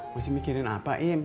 masih mikirin apa im